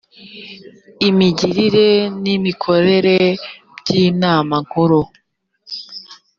imigirire n’imikorere by’inama nkuru